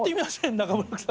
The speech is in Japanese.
中丸さん。